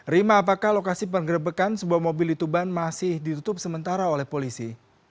rima apakah lokasi penggerbekan sebuah mobil di tuban masih ditutup sementara oleh polisi